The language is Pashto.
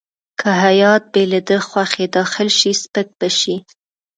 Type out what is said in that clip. که هیات بې له ده خوښې داخل شي سپک به شي.